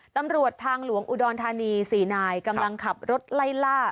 ตำรวจทางหลวงอุดรธานี๔นายกำลังขับรถไล่ล่า